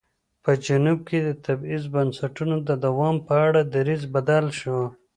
په جنوب کې د تبعیض بنسټونو د دوام په اړه دریځ بدل شو.